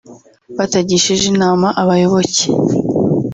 batagishije inama abayoboke